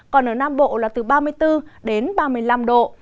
còn ở nam bộ là từ ba mươi bốn đến ba mươi năm độ